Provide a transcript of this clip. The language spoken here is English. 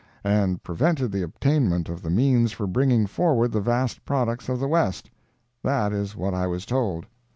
and prevented the obtainment of the means for bringing forward the vast products of the West. That is what I was told.